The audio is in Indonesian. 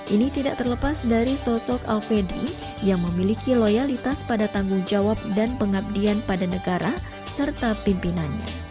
ini tidak terlepas dari sosok alfedri yang memiliki loyalitas pada tanggung jawab dan pengabdian pada negara serta pimpinannya